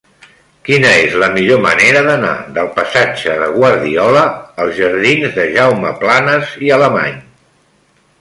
Quina és la millor manera d'anar del passatge de Guardiola als jardins de Jaume Planas i Alemany?